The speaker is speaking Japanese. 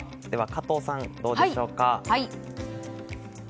加藤さん、どうでしょうか。